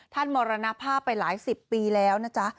มรณภาพไปหลายสิบปีแล้วนะจ๊ะ